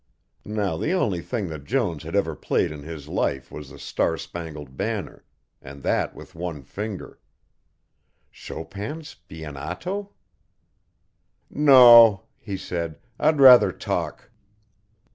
Now the only thing that Jones had ever played in his life was the Star Spangled Banner and that with one finger Chopin's Spianato! "No," he said. "I'd rather talk."